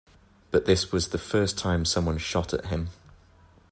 But this was the first time someone shot at him.